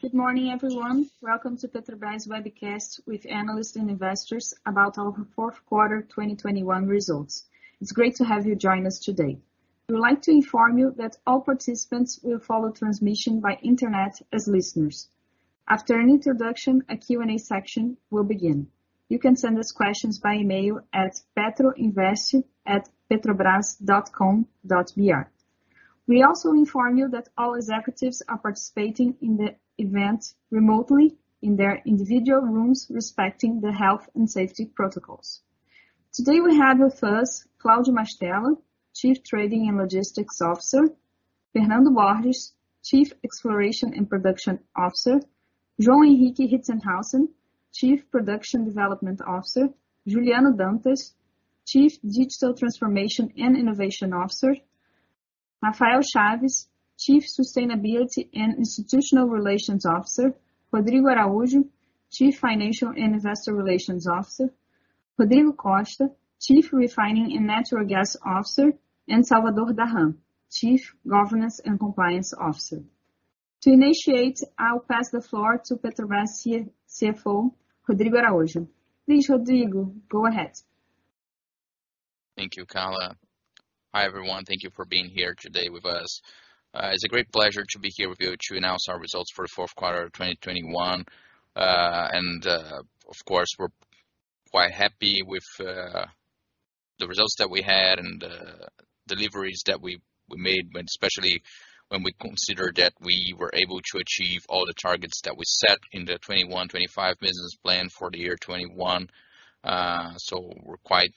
Good morning, everyone. Welcome to Petrobras webcast with analysts and investors about our fourth quarter 2021 results. It's great to have you join us today. We would like to inform you that all participants will follow transmission by internet as listeners. After an introduction, a Q&A section will begin. You can send us questions by email at petroinveste@petrobras.com.br. We also inform you that all executives are participating in the event remotely in their individual rooms, respecting the health and safety protocols. Today, we have with us Cláudio Mastella, Chief Trading and Logistics Officer. Fernando Borges, Chief Exploration and Production Officer. João Henrique Rittershaussen, Chief Production Development Officer. Juliano Dantas, Chief Digital Transformation and Innovation Officer. Rafael Chaves, Chief Sustainability and Institutional Relations Officer. Rodrigo Araujo, Chief Financial and Investor Relations Officer. Rodrigo Costa, Chief Refining and Natural Gas Officer, and Salvador Dahan, Chief Governance and Compliance Officer. To initiate, I'll pass the floor to Petrobras CFO, Rodrigo Araujo. Please, Rodrigo, go ahead. Thank you, Carla. Hi, everyone. Thank you for being here today with us. It's a great pleasure to be here with you to announce our results for the fourth quarter of 2021. Of course, we're quite happy with the results that we had and deliveries that we made, especially when we consider that we were able to achieve all the targets that we set in the 2021/2025 business plan for the year 2021. We're quite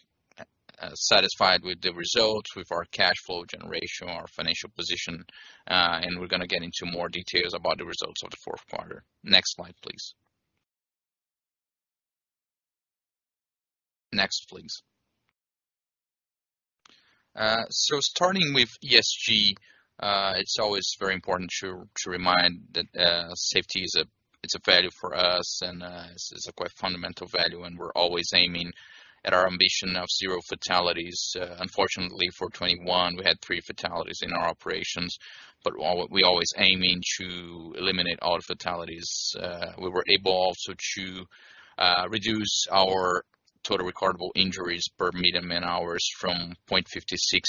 satisfied with the results, with our cash flow generation, our financial position, and we're gonna get into more details about the results of the fourth quarter. Next slide, please. Next, please. Starting with ESG, it's always very important to remind that safety is a value for us and it's a quite fundamental value, and we're always aiming at our ambition of zero fatalities. Unfortunately, for 2021, we had three fatalities in our operations. We always aiming to eliminate all fatalities. We were able also to reduce our total recordable injuries per million man-hours from 0.56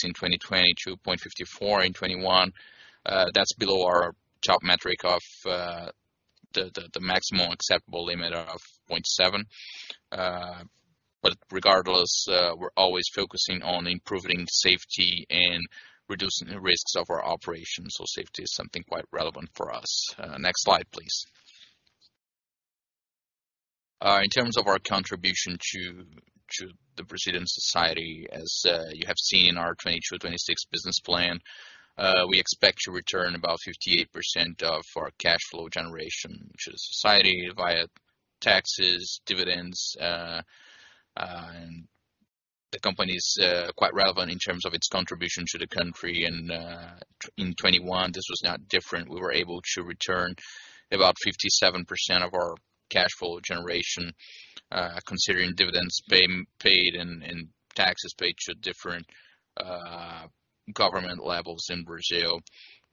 in 2020 to 0.54 in 2021. That's below our top metric of the maximum acceptable limit of 0.7. But regardless, we're always focusing on improving safety and reducing the risks of our operations. Safety is something quite relevant for us. Next slide, please. In terms of our contribution to the Brazilian society, as you have seen in our 2022 to 2026 business plan, we expect to return about 58% of our cash flow generation to the society via taxes, dividends. The company is quite relevant in terms of its contribution to the country. In 2021, this was not different. We were able to return about 57% of our cash flow generation, considering dividends paid and taxes paid to different government levels in Brazil.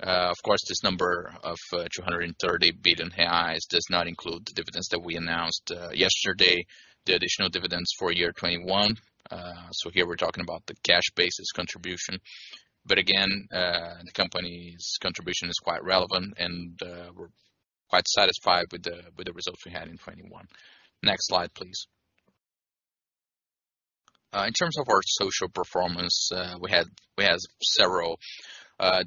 Of course, this number of 230 billion reais does not include the dividends that we announced yesterday, the additional dividends for year 2021. Here we're talking about the cash basis contribution. Again, the company's contribution is quite relevant, and we're quite satisfied with the results we had in 2021. Next slide, please. In terms of our social performance, we have several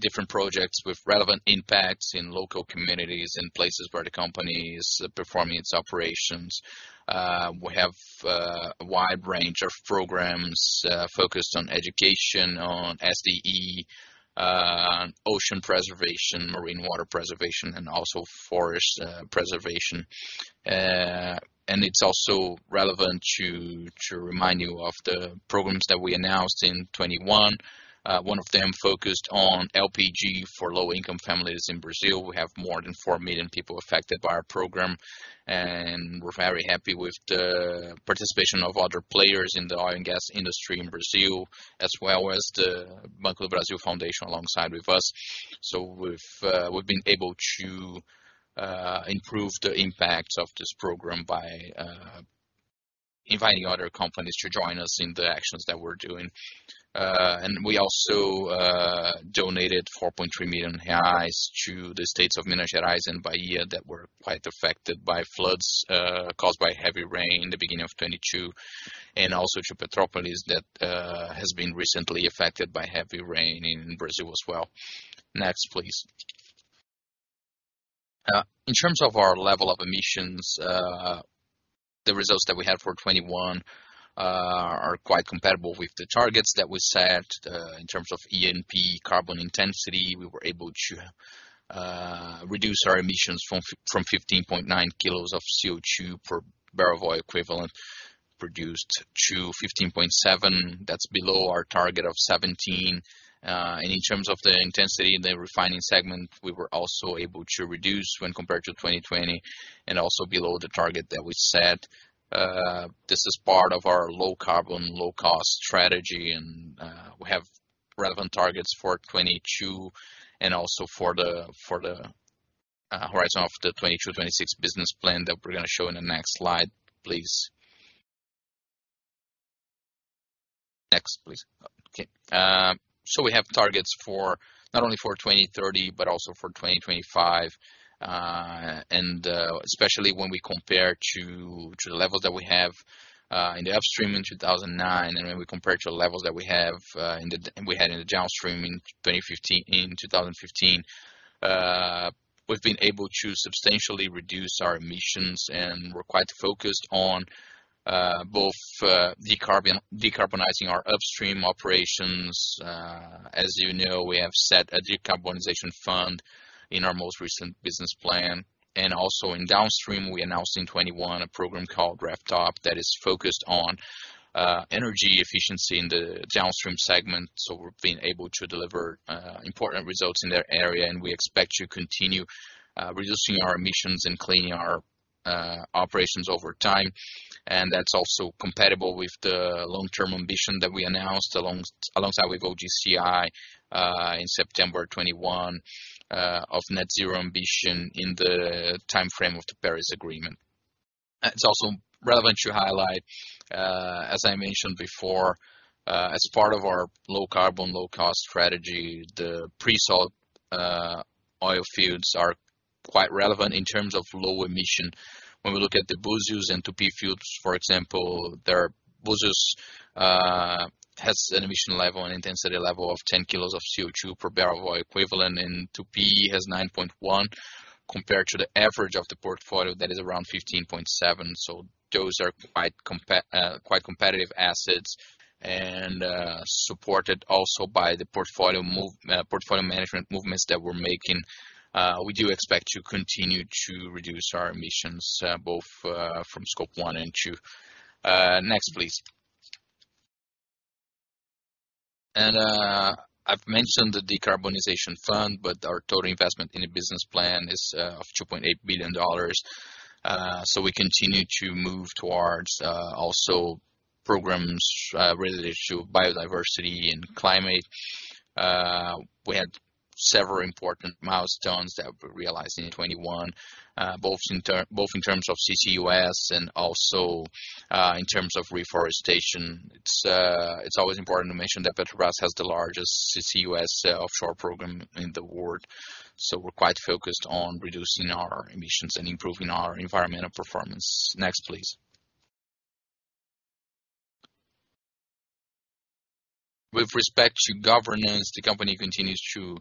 different projects with relevant impacts in local communities, in places where the company is performing its operations. We have a wide range of programs focused on education, on ESG, ocean preservation, marine water preservation, and also forest preservation. It's also relevant to remind you of the programs that we announced in 2021. One of them focused on LPG for low-income families in Brazil. We have more than 4 million people affected by our program, and we're very happy with the participation of other players in the oil and gas industry in Brazil, as well as the Banco do Brasil Foundation alongside with us. We've been able to improve the impact of this program by inviting other companies to join us in the actions that we're doing. We also donated 4.3 million reais to the states of Minas Gerais and Bahia that were quite affected by floods caused by heavy rain in the beginning of 2022, and also to Petrópolis that has been recently affected by heavy rain in Brazil as well. Next, please. In terms of our level of emissions, the results that we had for 2021 are quite comparable with the targets that we set. In terms of E&P carbon intensity, we were able to reduce our emissions from 15.9 kilos of CO2 per barrel of oil equivalent produced to 15.7. That's below our target of 17. In terms of the intensity in the refining segment, we were also able to reduce when compared to 2020 and also below the target that we set. This is part of our low carbon, low cost strategy. We have relevant targets for 2022, and also for the horizon of the 2022/2026 business plan that we're gonna show in the next slide, please. Next, please. Okay. We have targets not only for 2030, but also for 2025. Especially when we compare to the levels that we have in the upstream in 2009, and when we compare to the levels that we had in the downstream in 2015. We've been able to substantially reduce our emissions, and we're quite focused on both decarbonizing our upstream operations. As you know, we have set a decarbonization fund in our most recent business plan. Also in downstream, we announced in 2021 a program called RefTOP that is focused on energy efficiency in the downstream segment, so we're being able to deliver important results in that area. We expect to continue reducing our emissions and cleaning our operations over time. That's also compatible with the long-term ambition that we announced alongside with OGCI, in September 2021, of net zero ambition in the timeframe of the Paris Agreement. It's also relevant to highlight, as I mentioned before, as part of our low carbon, low cost strategy, the pre-salt oil fields are quite relevant in terms of low emission. When we look at the Búzios and Tupi fields, for example, the Búzios has an emission level and intensity level of 10 kilos of CO2 per barrel of oil equivalent. Tupi has 9.1 compared to the average of the portfolio that is around 15.7. Those are quite competitive assets and, supported also by the portfolio management movements that we're making. We do expect to continue to reduce our emissions, both from Scope one and two. Next, please. I've mentioned the decarbonization fund, but our total investment in the business plan is of $2.8 billion. We continue to move towards also programs related to biodiversity and climate. We had several important milestones that we realized in 2021, both in terms of CCUS and also in terms of reforestation. It's always important to mention that Petrobras has the largest CCUS offshore program in the world, so we're quite focused on reducing our emissions and improving our environmental performance. Next, please. With respect to governance, the company continues to,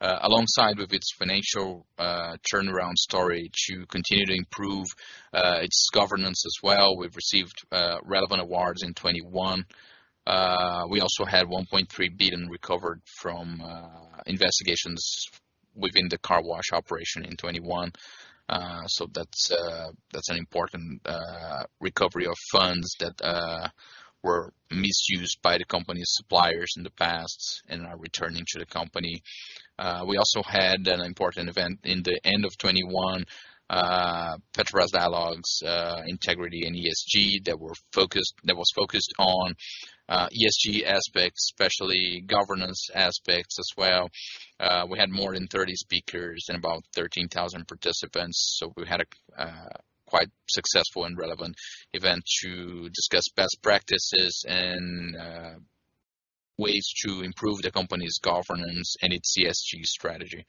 alongside with its financial turnaround story, to continue to improve its governance as well. We've received relevant awards in 2021. We also had 1.3 billion recovered from investigations within Operation Car Wash in 2021. That's an important recovery of funds that were misused by the company's suppliers in the past and are returning to the company. We also had an important event in the end of 2021, Petrobras Dialogues, Integrity and ESG that was focused on ESG aspects, especially governance aspects as well. We had more than 30 speakers and about 13,000 participants, so we had a quite successful and relevant event to discuss best practices and ways to improve the company's governance and its ESG strategy.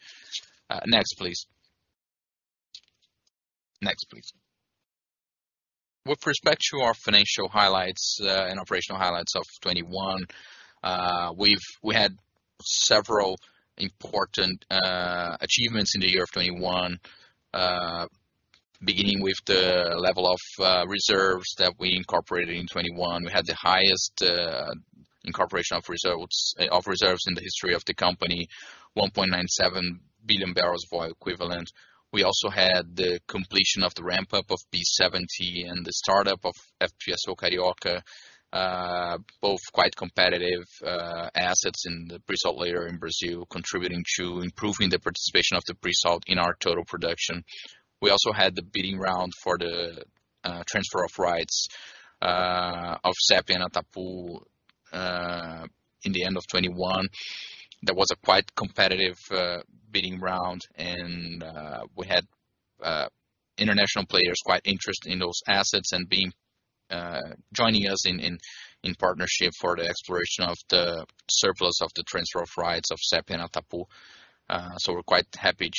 Next, please. With respect to our financial highlights and operational highlights of 2021, we had several important achievements in the year of 2021, beginning with the level of reserves that we incorporated in 2021. We had the highest incorporation of reserves in the history of the company, 1.97 billion barrels of oil equivalent. We also had the completion of the ramp-up of P-70 and the startup of FPSO Carioca, both quite competitive assets in the pre-salt layer in Brazil, contributing to improving the participation of the pre-salt in our total production. We also had the bidding round for the transfer of rights of Sépia and Atapu in the end of 2021. That was a quite competitive bidding round, and we had international players quite interested in those assets and joining us in partnership for the exploration of the surplus of the transfer of rights of Sépia and Atapu. We're quite happy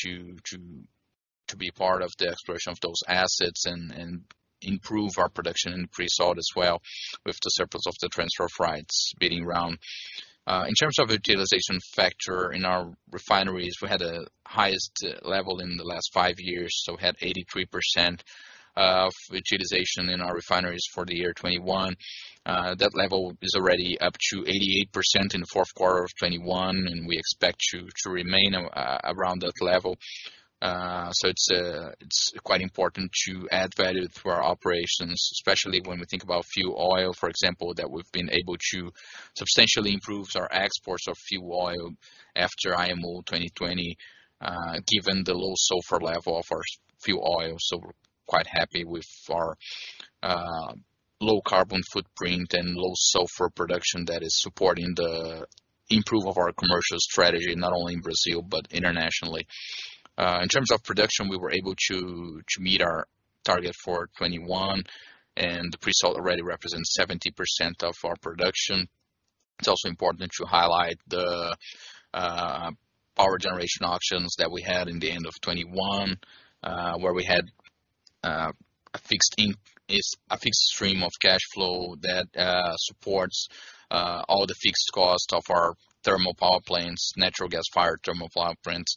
to be part of the exploration of those assets and improve our production in pre-salt as well with the surplus of the transfer of rights bidding round. In terms of utilization factor in our refineries, we had the highest level in the last five years, so we had 83% of utilization in our refineries for the year 2021. That level is already up to 88% in the fourth quarter of 2021, and we expect to remain around that level. It's quite important to add value to our operations, especially when we think about fuel oil, for example, that we've been able to substantially improve our exports of fuel oil after IMO 2020, given the low sulfur level of our fuel oil. Quite happy with our low carbon footprint and low sulfur production that is supporting the improvement of our commercial strategy, not only in Brazil but internationally. In terms of production, we were able to meet our target for 2021, and the pre-salt already represents 70% of our production. It's also important to highlight the power generation auctions that we had at the end of 2021, where we had a fixed stream of cash flow that supports all the fixed costs of our thermal power plants, natural gas-fired thermal power plants.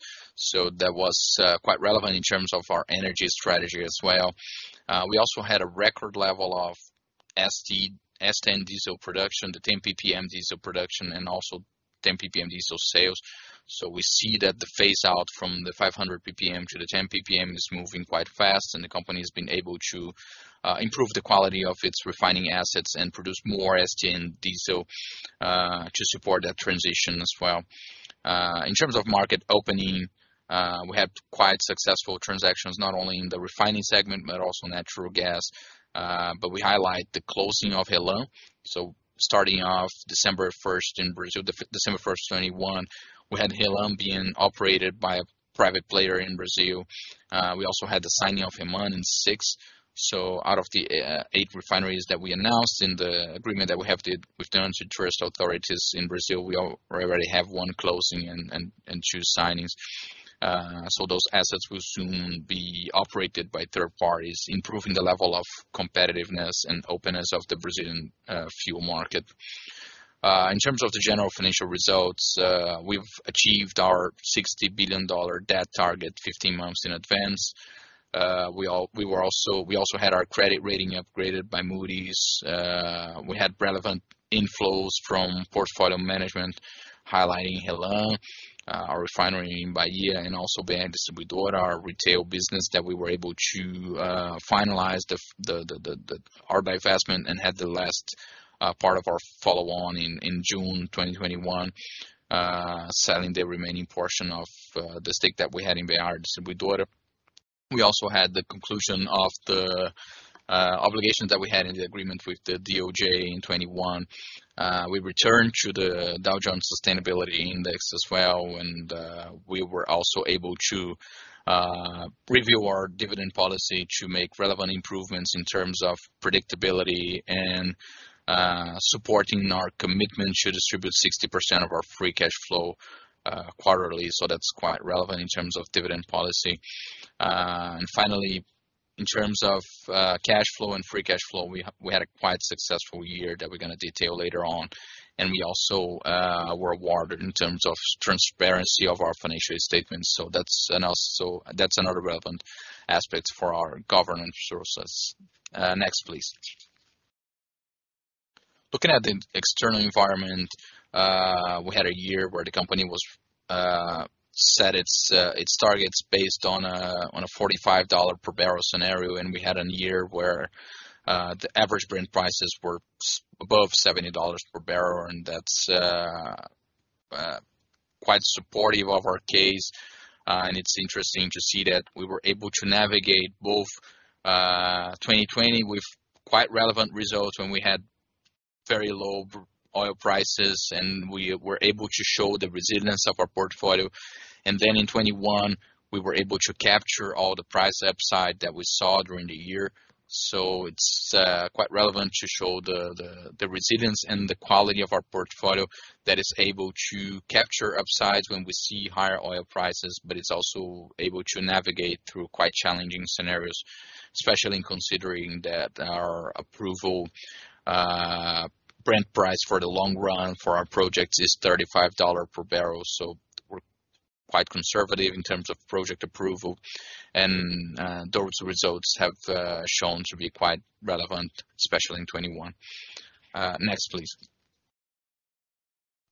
That was quite relevant in terms of our energy strategy as well. We also had a record level of S-10 diesel production, the 10 PPM diesel production, and also 10 PPM diesel sales. We see that the phase out from the 500 PPM to the 10 PPM is moving quite fast, and the company has been able to improve the quality of its refining assets and produce more S-10 diesel to support that transition as well. In terms of market opening, we have quite successful transactions, not only in the refining segment, but also natural gas, but we highlight the closing of RLAM. Starting off December 1 in Brazil, December 1, 2021, we had RLAM being operated by a private player in Brazil. We also had the signing of REMAN in 2016. Out of the eight refineries that we announced in the agreement that we have did with the antitrust authorities in Brazil, we already have one closing and two signings. Those assets will soon be operated by third parties, improving the level of competitiveness and openness of the Brazilian fuel market. In terms of the general financial results, we've achieved our $60 billion debt target 15 months in advance. We also had our credit rating upgraded by Moody's. We had relevant inflows from portfolio management, highlighting RLAM, our refinery in Bahia, and also BR Distribuidora, our retail business that we were able to finalize our divestment and had the last part of our follow-on in June 2021, selling the remaining portion of the stake that we had in BR Distribuidora. We also had the conclusion of the obligations that we had in the agreement with the DOJ in 2021. We returned to the Dow Jones Sustainability Index as well, and we were also able to review our dividend policy to make relevant improvements in terms of predictability and supporting our commitment to distribute 60% of our free cash flow quarterly. That's quite relevant in terms of dividend policy. Finally, in terms of cash flow and free cash flow, we had a quite successful year that we're gonna detail later on. We also were awarded in terms of transparency of our financial statements. That's another relevant aspect for our governance services. Next, please. Looking at the external environment, we had a year where the company set its targets based on a $45 per barrel scenario, and we had a year where the average Brent prices were above $70 per barrel, and that's quite supportive of our case. It's interesting to see that we were able to navigate both 2020 with quite relevant results when we had very low oil prices, and we were able to show the resilience of our portfolio. Then in 2021, we were able to capture all the price upside that we saw during the year. It's quite relevant to show the resilience and the quality of our portfolio that is able to capture upsides when we see higher oil prices, but it's also able to navigate through quite challenging scenarios, especially considering that our approval Brent price for the long run for our projects is $35 per barrel. We're quite conservative in terms of project approval. Those results have shown to be quite relevant, especially in 2021. Next, please.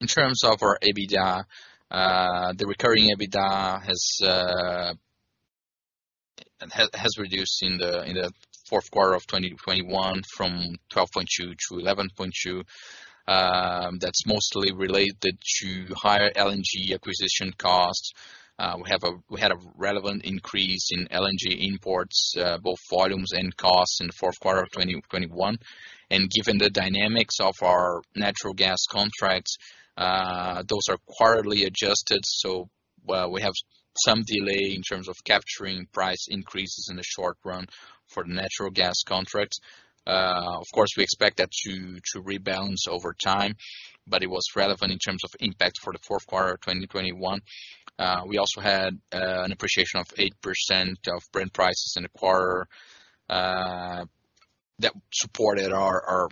In terms of our EBITDA, the recurring EBITDA has reduced in the fourth quarter of 2021 from 12.2-11.2. That's mostly related to higher LNG acquisition costs. We had a relevant increase in LNG imports, both volumes and costs in the fourth quarter of 2021. Given the dynamics of our natural gas contracts, those are quarterly adjusted, we have some delay in terms of capturing price increases in the short run for the natural gas contracts. Of course, we expect that to rebalance over time, but it was relevant in terms of impact for the fourth quarter of 2021. We also had an appreciation of 8% of Brent prices in the quarter that supported our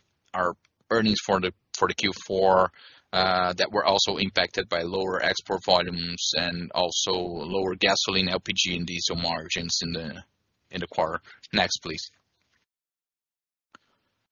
earnings for the Q4 that were also impacted by lower export volumes and also lower gasoline, LPG, and diesel margins in the quarter. Next, please.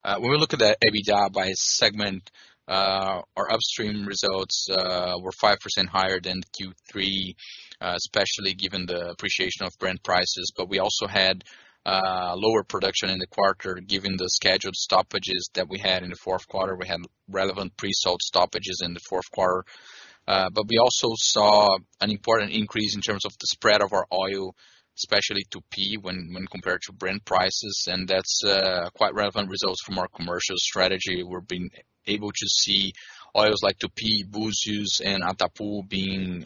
When we look at the EBITDA by segment. Our upstream results were 5% higher than Q3 especially given the appreciation of Brent prices. We also had lower production in the quarter, given the scheduled stoppages that we had in the fourth quarter. We had relevant pre-salt stoppages in the fourth quarter. We also saw an important increase in terms of the spread of our oil, especially to P, when compared to Brent prices. That's quite relevant results from our commercial strategy. We're being able to see oils like Tupi, Búzios, and Atapu being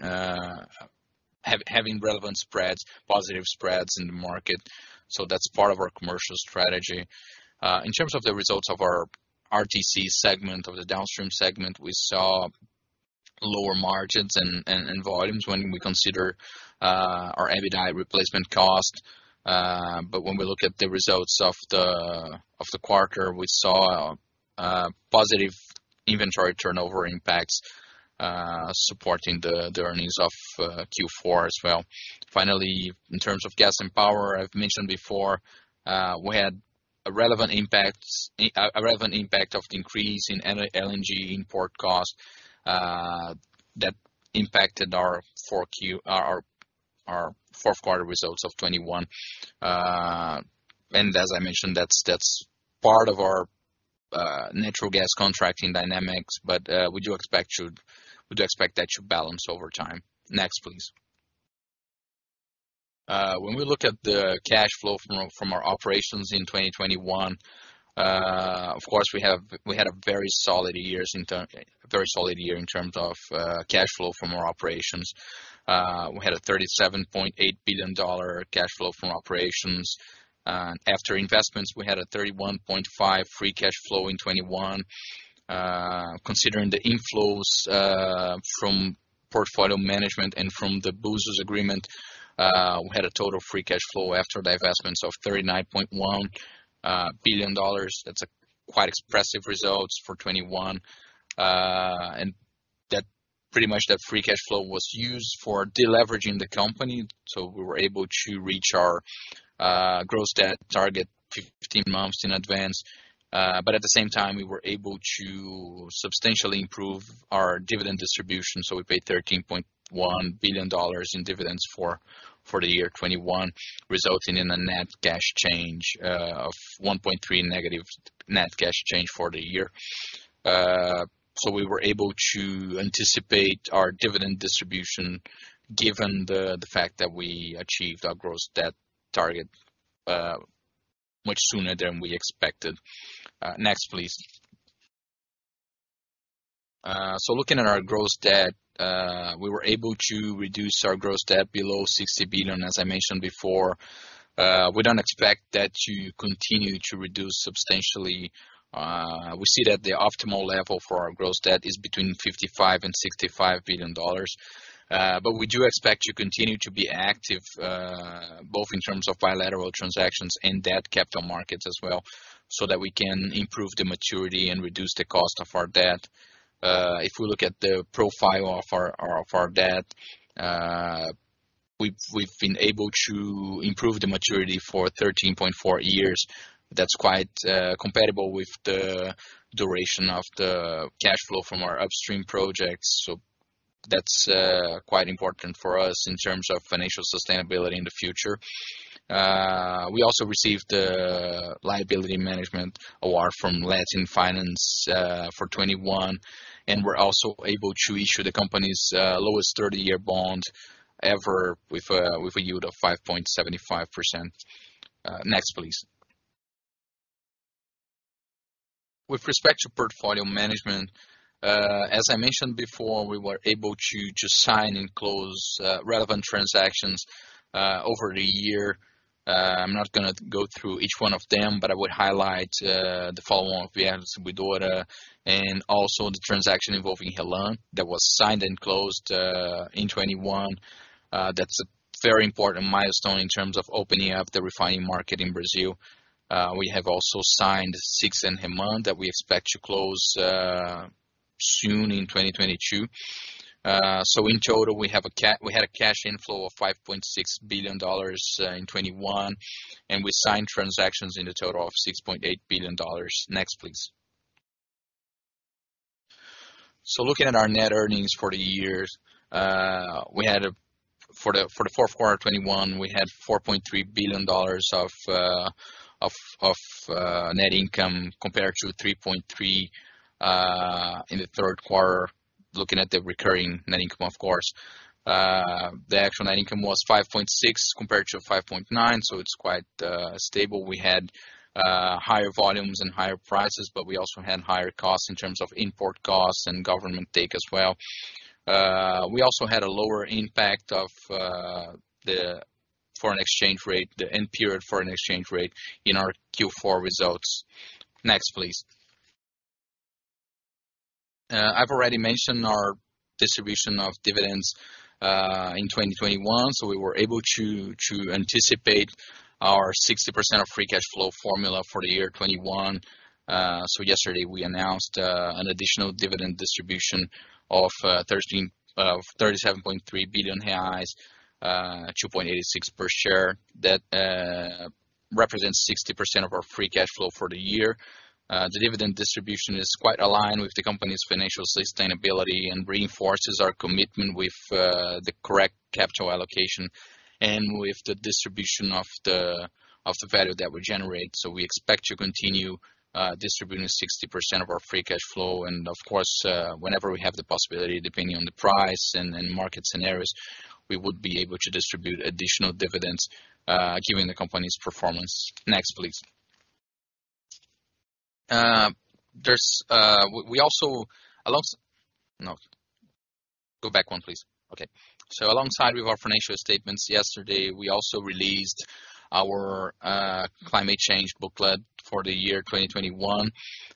having relevant spreads, positive spreads in the market. That's part of our commercial strategy. In terms of the results of our RTC segment, of the downstream segment, we saw lower margins and volumes when we consider our EBITDA replacement cost. But when we look at the results of the quarter, we saw positive inventory turnover impacts supporting the earnings of Q4 as well. Finally, in terms of gas and power, I've mentioned before, we had a relevant impact of increase in LNG import costs that impacted our fourth quarter results of 2021. And as I mentioned, that's part of our natural gas contracting dynamics. We do expect that should balance over time. Next, please. When we look at the cash flow from our operations in 2021, of course we had a very solid year in terms of cash flow from our operations. We had a $37.8 billion cash flow from operations. After investments, we had a $31.5 billion free cash flow in 2021. Considering the inflows from portfolio management and from the Búzios agreement, we had a total free cash flow after divestments of $39.1 billion. That's quite expressive results for 2021. That pretty much free cash flow was used for de-leveraging the company, so we were able to reach our gross debt target 15 months in advance. At the same time, we were able to substantially improve our dividend distribution, so we paid $13.1 billion in dividends for the year 2021, resulting in a -$1.3 net cash change for the year. We were able to anticipate our dividend distribution given the fact that we achieved our gross debt target much sooner than we expected. Next please. Looking at our gross debt, we were able to reduce our gross debt below $60 billion, as I mentioned before. We don't expect that to continue to reduce substantially. We see that the optimal level for our gross debt is between $55 billion and $65 billion. We do expect to continue to be active, both in terms of bilateral transactions and debt capital markets as well, so that we can improve the maturity and reduce the cost of our debt. If we look at the profile of our debt, we've been able to improve the maturity for 13.4 years. That's quite compatible with the duration of the cash flow from our upstream projects. That's quite important for us in terms of financial sustainability in the future. We also received the Liability Management Award from LatinFinance for 2021, and we're also able to issue the company's lowest 30-year bond ever with a yield of 5.75%. Next please. With respect to portfolio management, as I mentioned before, we were able to to sign and close relevant transactions over a year. I'm not gonna go through each one of them, but I would highlight the follow on of the Eneva and Guedora, and also the transaction involving Helan that was signed and closed in 2021. That's a very important milestone in terms of opening up the refining market in Brazil. We have also signed SIX and REMAN that we expect to close soon in 2022. In total, we had a cash inflow of $5.6 billion in 2021, and we signed transactions in the total of $6.8 billion. Next, please. Looking at our net earnings for the year, we had a... For the fourth quarter of 2021, we had $4.3 billion of net income compared to $3.3 in the third quarter, looking at the recurring net income of course. The actual net income was $5.6 compared to $5.9, so it's quite stable. We had higher volumes and higher prices, but we also had higher costs in terms of import costs and government take as well. We also had a lower impact of the foreign exchange rate, the end period foreign exchange rate in our Q4 results. Next, please. I've already mentioned our distribution of dividends in 2021, so we were able to anticipate our 60% of free cash flow formula for the year 2021. Yesterday we announced an additional dividend distribution of 37.3 billion reais, 2.86 per share. That represents 60% of our free cash flow for the year. The dividend distribution is quite aligned with the company's financial sustainability and reinforces our commitment with the correct capital allocation and with the distribution of the value that we generate. We expect to continue distributing 60% of our free cash flow. Of course, whenever we have the possibility, depending on the price and market scenarios, we would be able to distribute additional dividends given the company's performance. Alongside with our financial statements yesterday, we also released our climate change booklet for the year 2021.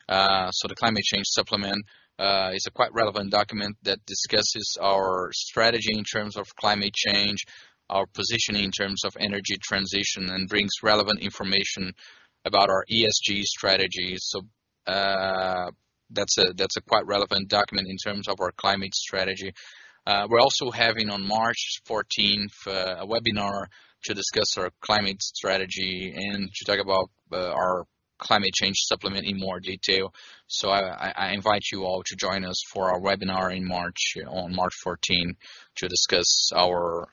The climate change supplement is a quite relevant document that discusses our strategy in terms of climate change, our positioning in terms of energy transition, and brings relevant information about our ESG strategy. That's a quite relevant document in terms of our climate strategy. We're also having on March fourteenth a webinar to discuss our climate strategy and to talk about our climate change supplement in more detail. I invite you all to join us for our webinar in March, on March fourteenth, to discuss our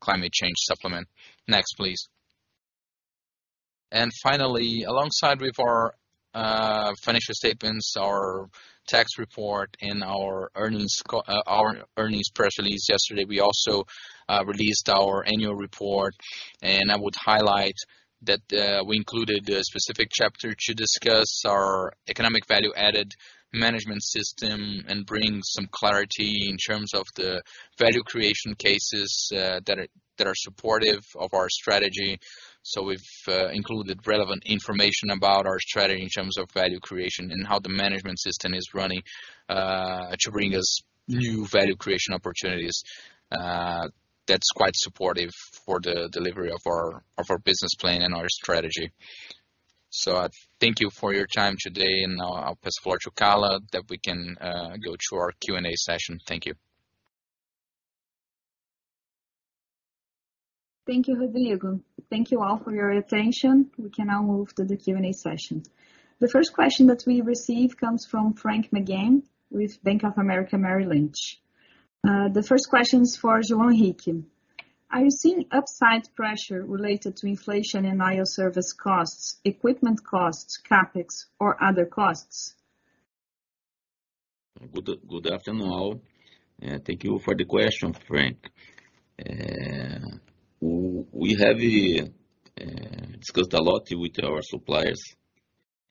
climate change supplement. Next, please. Finally, alongside with our financial statements, our tax report, and our earnings press release yesterday, we also released our annual report, and I would highlight that we included a specific chapter to discuss our economic value-added management system and bring some clarity in terms of the value creation cases that are supportive of our strategy. We've included relevant information about our strategy in terms of value creation and how the management system is running to bring us new value creation opportunities. That's quite supportive for the delivery of our business plan and our strategy. Thank you for your time today, and I'll pass the floor to Carla that we can go to our Q&A session. Thank you. Thank you, Rodrigo. Thank you all for your attention. We can now move to the Q&A session. The first question that we received comes from Frank McGann with Bank of America Merrill Lynch. The first question is for João Henrique. Are you seeing upside pressure related to inflation in I/O service costs, equipment costs, CapEx, or other costs? Good afternoon all, and thank you for the question, Frank. We have discussed a lot with our suppliers,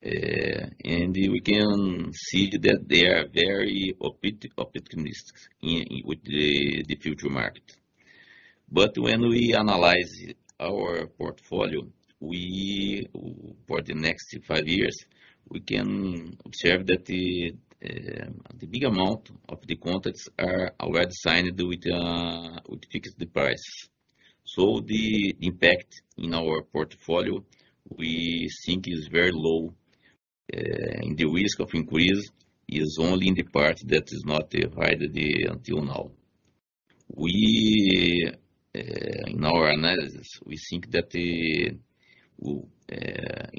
and we can see that they are very optimistic in the future market. When we analyze our portfolio for the next five years, we can observe that the big amount of the contracts are already signed with fixed price. The impact in our portfolio we think is very low, and the risk of increase is only in the part that is not provided until now. In our analysis, we think that in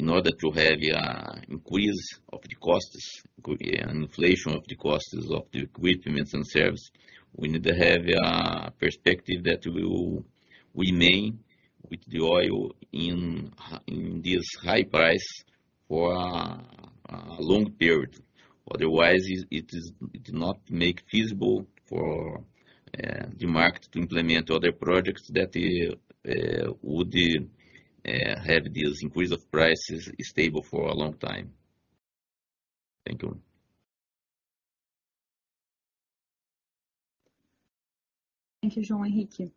order to have increase of the costs, inflation of the costs of the equipment and services, we need to have perspective that will remain with the oil in this high price for a long period. Otherwise, it is not feasible for the market to implement other projects that would have this increase of prices stable for a long time. Thank you. Thank you, João Henrique Rittershaussen.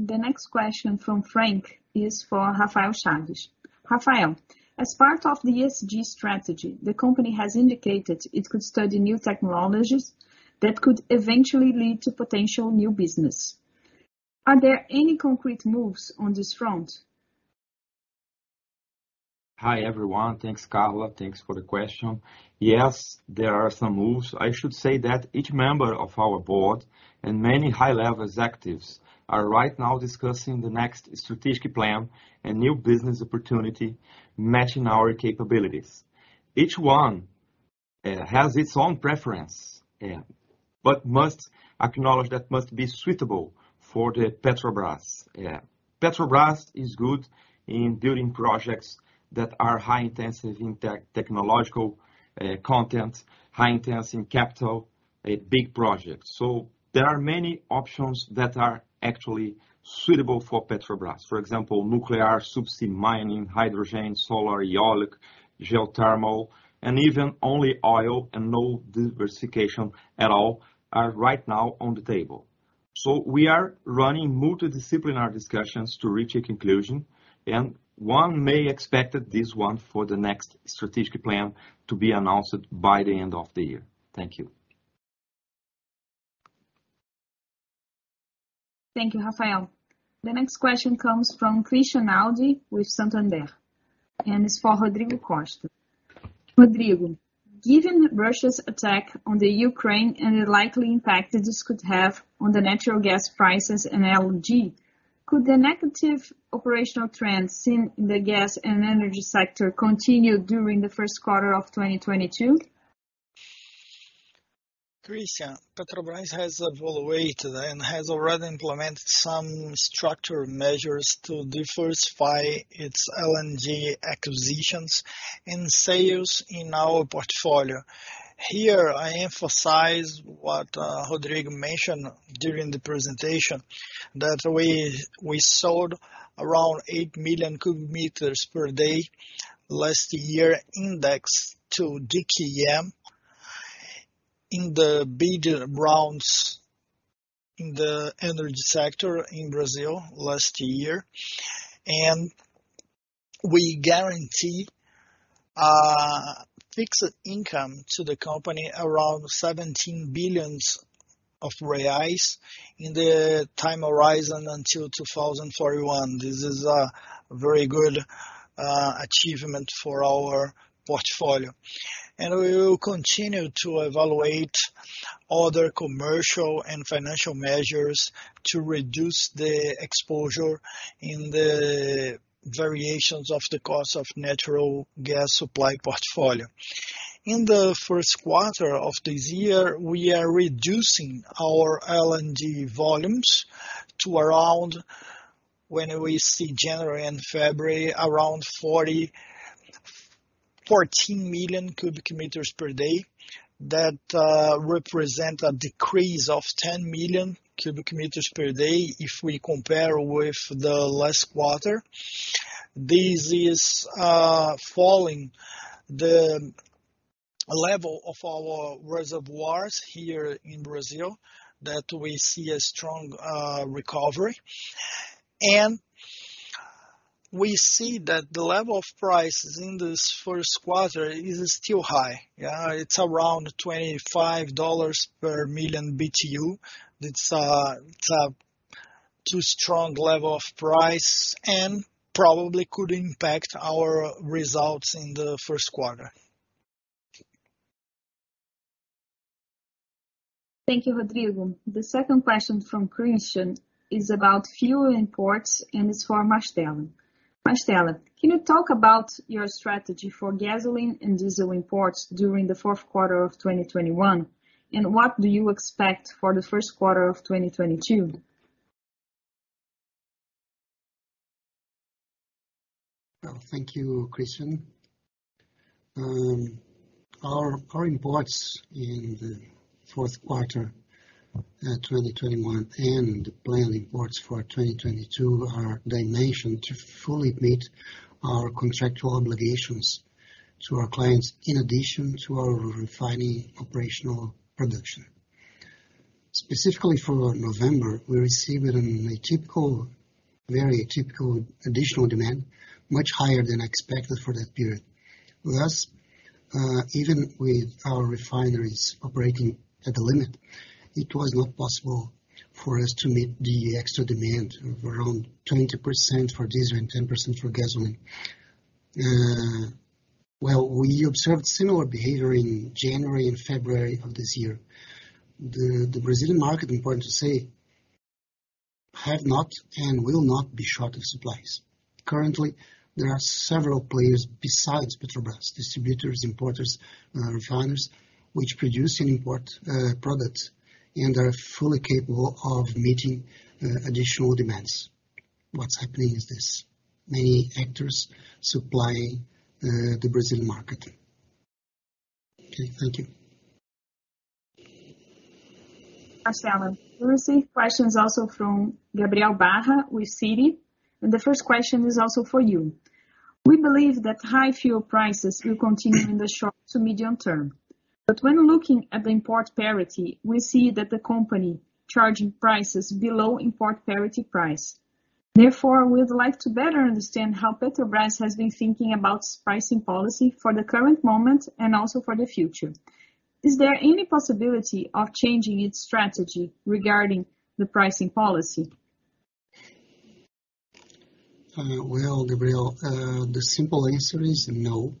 The next question from Frank McGann is for Rafael Chaves Santos. Rafael, as part of the ESG strategy, the company has indicated it could study new technologies that could eventually lead to potential new business. Are there any concrete moves on this front? Hi, everyone. Thanks, Carla. Thanks for the question. Yes, there are some moves. I should say that each member of our board and many high-level executives are right now discussing the next strategic plan and new business opportunity matching our capabilities. Each one has its own preference, but must acknowledge that must be suitable for the Petrobras, yeah. Petrobras is good in building projects that are high intensive in technological content, capital intensive, big projects. There are many options that are actually suitable for Petrobras. For example, nuclear, subsea mining, hydrogen, solar, eolic, geothermal, and even only oil and no diversification at all are right now on the table. We are running multidisciplinary discussions to reach a conclusion, and one may expect this one for the next strategic plan to be announced by the end of the year. Thank you. Thank you, Rafael. The next question comes from Christian Audi with Santander, and it's for Rodrigo Costa. Rodrigo, given Russia's attack on the Ukraine and the likely impact this could have on the natural gas prices and LNG, could the negative operational trends in the gas and energy sector continue during the first quarter of 2022? Christian, Petrobras has evaluated and has already implemented some structural measures to diversify its LNG acquisitions and sales in our portfolio. Here, I emphasize what Rodrigo mentioned during the presentation, that we sold around 8 million cubic meters per day last year, indexed to DKM in the bidder rounds in the energy sector in Brazil last year. We guarantee fixed income to the company around 17 billion reais in the time horizon until 2041. This is a very good achievement for our portfolio. We will continue to evaluate other commercial and financial measures to reduce the exposure in the variations of the cost of natural gas supply portfolio. In the first quarter of this year, we are reducing our LNG volumes to around, when we see January and February, around 14 million cubic meters per day. That represent a decrease of 10 million cubic meters per day if we compare with the last quarter. This is following the level of our reservoirs here in Brazil that we see a strong recovery. We see that the level of prices in this first quarter is still high. Yeah, it's around $25 per million BTU. That's a too strong level of price and probably could impact our results in the first quarter. Thank you, Rodrigo. The second question from Christian is about fuel imports, and it's for Mastella. Mastella, can you talk about your strategy for gasoline and diesel imports during the fourth quarter of 2021, and what do you expect for the first quarter of 2022? Well, thank you, Christian. Our imports in the fourth quarter 2021 and planned imports for 2022 are dimensioned to fully meet our contractual obligations to our clients, in addition to our refining operational production. Specifically for November, we received an atypical, very atypical additional demand, much higher than expected for that period. Thus, even with our refineries operating at the limit, it was not possible for us to meet the extra demand of around 20% for diesel and 10% for gasoline. Well, we observed similar behavior in January and February of this year. The Brazilian market, important to say, have not and will not be short of supplies. Currently, there are several players besides Petrobras, distributors, importers, refiners, which produce and import products and are fully capable of meeting additional demands. What's happening is this, many actors supplying the Brazilian market. Okay, thank you. Marcelo, we receive questions also from Gabriel Barra with Citi, and the first question is also for you. We believe that high fuel prices will continue in the short to medium term. When looking at the import parity, we see that the company is charging prices below import parity price. Therefore, we would like to better understand how Petrobras has been thinking about its pricing policy for the current moment and also for the future. Is there any possibility of changing its strategy regarding the pricing policy? Well, Gabriel, the simple answer is no.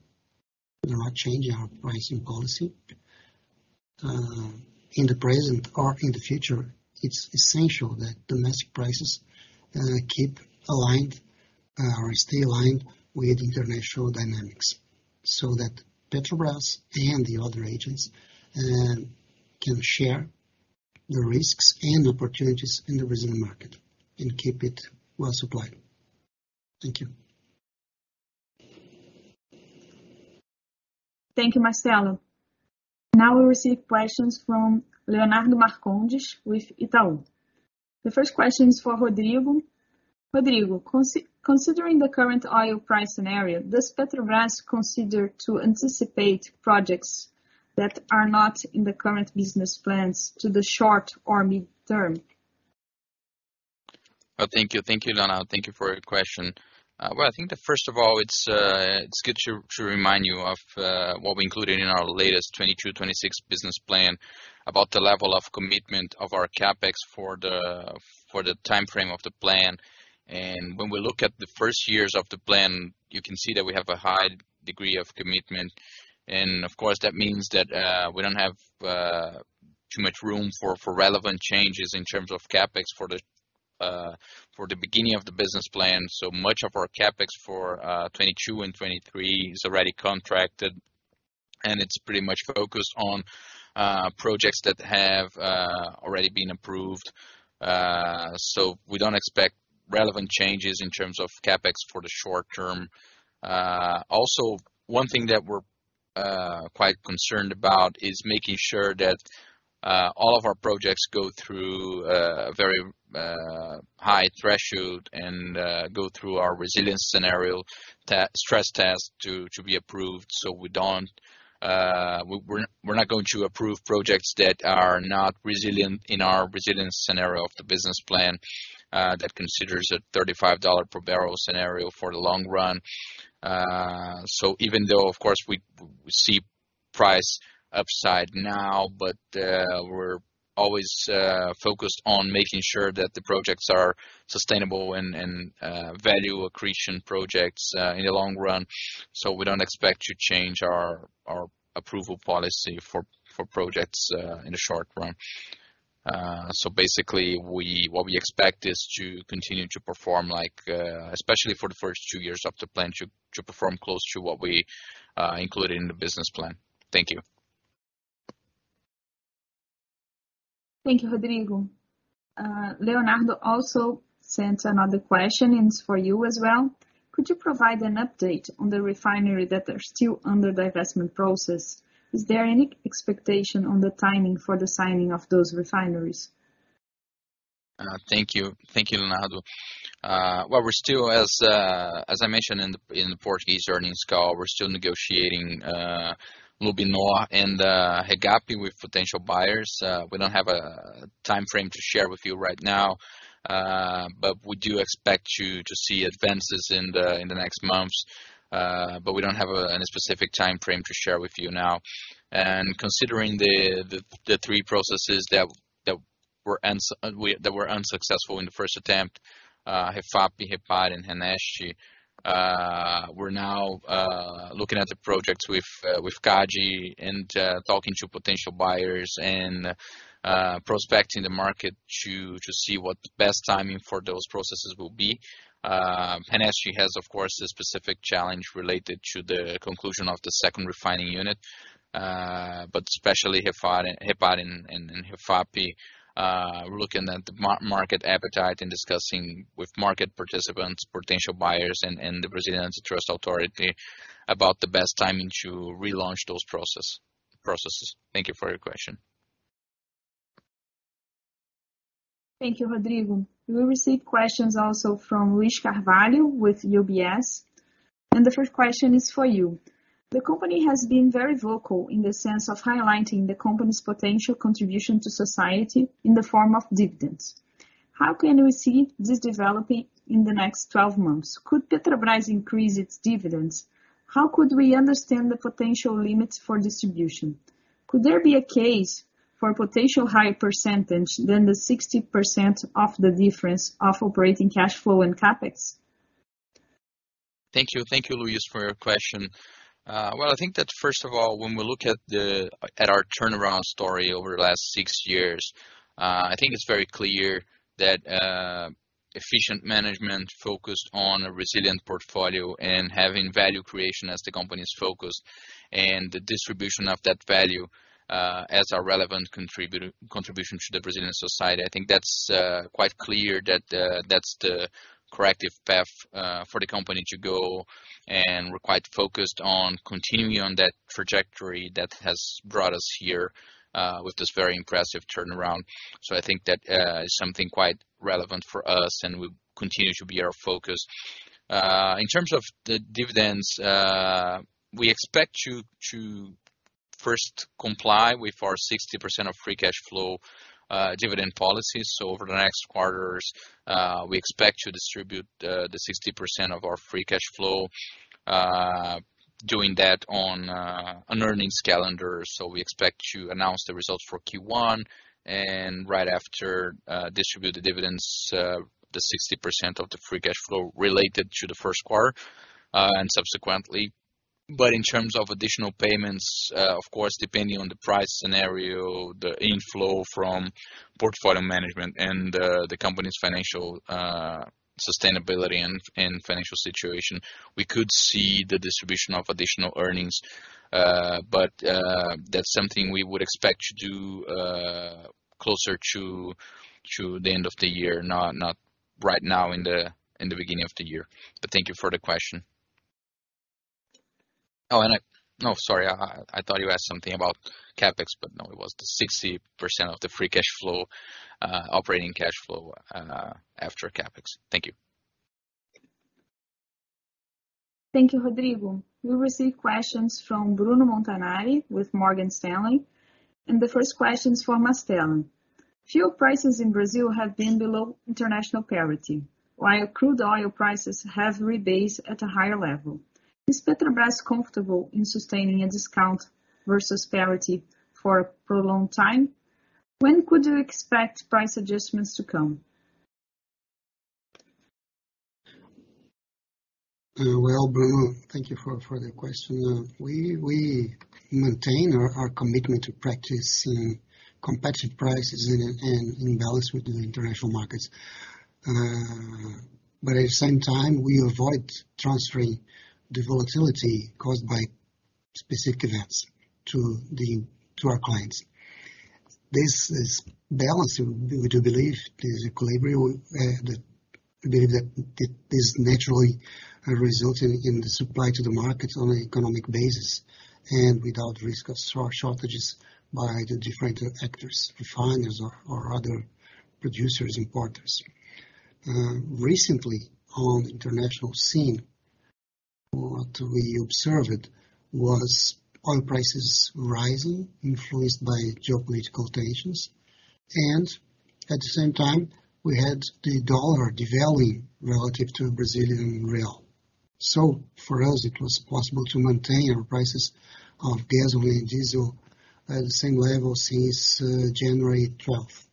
We're not changing our pricing policy in the present or in the future. It's essential that domestic prices keep aligned or stay aligned with international dynamics, so that Petrobras and the other agents can share the risks and opportunities in the Brazilian market and keep it well supplied. Thank you. Thank you, Marcelo. Now we receive questions from Leonardo Marcondes with Itaú. The first question is for Rodrigo. Rodrigo, considering the current oil price scenario, does Petrobras consider to anticipate projects that are not in the current business plans to the short or mid-term? Well, thank you. Thank you, Leonardo. Thank you for your question. Well, I think that first of all, it's good to remind you of what we included in our latest 2022 to 2026 business plan about the level of commitment of our CapEx for the timeframe of the plan. When we look at the first years of the plan, you can see that we have a high degree of commitment. Of course, that means that we don't have too much room for relevant changes in terms of CapEx for the beginning of the business plan. Much of our CapEx for 2022 and 2023 is already contracted, and it's pretty much focused on projects that have already been approved. We don't expect relevant changes in terms of CapEx for the short term. Also one thing that we're quite concerned about is making sure that all of our projects go through a very high threshold and go through our resilience scenario stress test to be approved. We're not going to approve projects that are not resilient in our resilience scenario of the business plan that considers a $35 per barrel scenario for the long run. Even though of course we see price upside now, but we're always focused on making sure that the projects are sustainable and value accretion projects in the long run. We don't expect to change our approval policy for projects in the short run. Basically, what we expect is to continue to perform like, especially for the first two years of the plan, to perform close to what we included in the business plan. Thank you. Thank you, Rodrigo. Leonardo also sent another question, it's for you as well. Could you provide an update on the refineries that are still under the investment process? Is there any expectation on the timing for the signing of those refineries? Thank you, Leonardo. Well, we're still as I mentioned in the Portuguese earnings call, we're still negotiating LUBNOR and REGAP with potential buyers. We don't have a timeframe to share with you right now, but we do expect to see advances in the next months, but we don't have any specific timeframe to share with you now. Considering the three processes that were unsuccessful in the first attempt, REFAP, REPAR and RNEST, we're now looking at the projects with CADE and talking to potential buyers and prospecting the market to see what the best timing for those processes will be. RNEST has, of course, a specific challenge related to the conclusion of the second refining unit. Especially REFAP and REGAP, we're looking at the market appetite and discussing with market participants, potential buyers and the CADE about the best timing to relaunch those processes. Thank you for your question. Thank you, Rodrigo. We received questions also from Luiz Carvalho with UBS, and the first question is for you. The company has been very vocal in the sense of highlighting the company's potential contribution to society in the form of dividends. How can we see this developing in the next 12 months? Could Petrobras increase its dividends? How could we understand the potential limits for distribution? Could there be a case for potential higher percentage than the 60% of the difference of operating cash flow and CapEx? Thank you. Thank you, Luiz, for your question. Well, I think that first of all, when we look at our turnaround story over the last six years, I think it's very clear that efficient management focused on a resilient portfolio and having value creation as the company's focus and the distribution of that value as a relevant contribution to the Brazilian society. I think that's quite clear that that's the corrective path for the company to go, and we're quite focused on continuing on that trajectory that has brought us here with this very impressive turnaround. I think that is something quite relevant for us and will continue to be our focus. In terms of the dividends, we expect to first comply with our 60% of free cash flow dividend policy. Over the next quarters, we expect to distribute the 60% of our free cash flow, doing that on an earnings calendar. We expect to announce the results for Q1 and right after, distribute the dividends, the 60% of the free cash flow related to the first quarter, and subsequently. In terms of additional payments, of course, depending on the price scenario, the inflow from portfolio management and the company's financial sustainability and financial situation, we could see the distribution of additional earnings. That's something we would expect to do closer to the end of the year, not right now in the beginning of the year. Thank you for the question. Oh, and I... Oh, sorry, I thought you asked something about CapEx, but no, it was the 60% of the free cash flow, operating cash flow, after CapEx. Thank you. Thank you, Rodrigo. We received questions from Bruno Montanari with Morgan Stanley, and the first question is for Mastella. Fuel prices in Brazil have been below international parity, while crude oil prices have rebased at a higher level. Is Petrobras comfortable in sustaining a discount versus parity for a prolonged time? When could you expect price adjustments to come? Well, Bruno, thank you for the question. We maintain our commitment to practice competitive prices in balance with the international markets. At the same time, we avoid transferring the volatility caused by specific events to our clients. This is balancing. We do believe there's equilibrium that we believe this naturally results in the supply to the market on an economic basis and without risk of shortages by the different actors, refiners or other producers, importers. Recently on international scene, what we observed was oil prices rising influenced by geopolitical tensions. At the same time we had the dollar devaluing relative to Brazilian real. For us, it was possible to maintain our prices of gasoline, diesel at the same level since January twelfth.